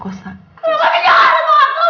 kenapa bincang sama aku